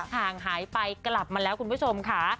ห่างหายไปกลับมาแล้วคุณผู้ชมค่ะ